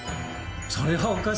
それはおかしい。